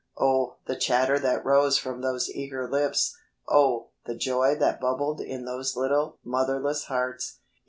Oh, the chatter that rose from those eager lips. Oh, the joy that bubbled in those little, motherless hearts.